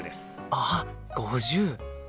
あっ５０。